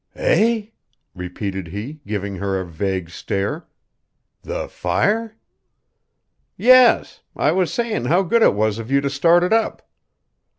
"Eh?" repeated he, giving her a vague stare. "The fire?" "Yes. I was sayin' how good it was of you to start it up."